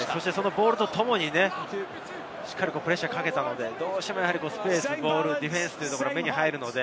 ボールを手にプレッシャーをかけたので、どうしてもスペース、ボール、ディフェンスが目に入るので、